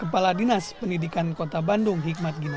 kepala dinas pendidikan kota bandung hikmat gina